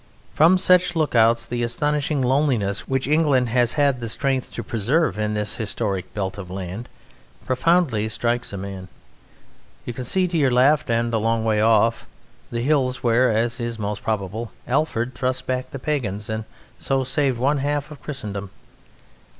From such look outs the astonishing loneliness which England has had the strength to preserve in this historic belt of land profoundly strikes a man. You can see to your left and, a long way off, the hill where, as is most probable, Alfred thrust back the Pagans, and so saved one half of Christendom.